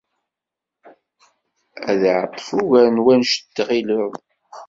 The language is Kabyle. Ad iɛeṭṭel ugar n wanect tɣileḍ.